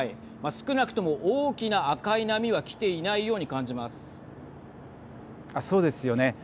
少なくとも大きな赤い波は来ていないようにそうですよね。